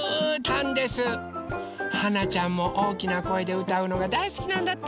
はなちゃんもおおきなこえでうたうのがだいすきなんだって！